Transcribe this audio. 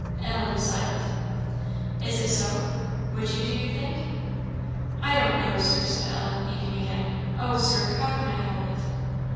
Ellen was silent. "Is it so? would you, do you think?" "I don't know, Sir," said Ellen, weeping again "oh, Sir! how can I help it?"